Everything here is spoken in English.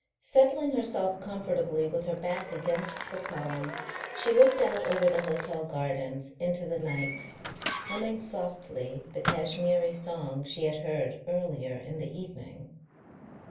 Settling herself comfortably with her back against the column she looked out over the hotel gardens into the night, humming softly the Kashmiri song she had heard earlier in the evening.